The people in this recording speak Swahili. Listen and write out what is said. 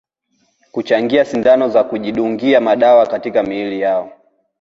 Kuchangia sindano za kujidungia madawa katika miili yao